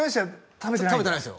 食べてないんですよ